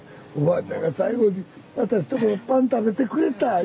「おばあちゃんが最期にあたしとこのパン食べてくれた」